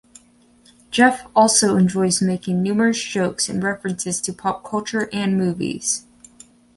Jeff also enjoys making numerous jokes and references to pop culture and movies.